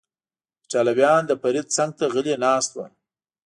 ایټالویان، د فرید څنګ ته غلی ناست و.